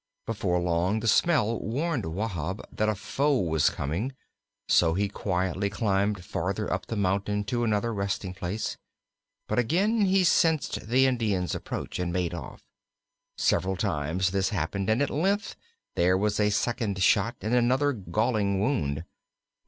Before long the smell warned Wahb that a foe was coming, so he quietly climbed farther up the mountain to another resting place. But again he sensed the Indian's approach, and made off. Several times this happened, and at length there was a second shot and another galling wound.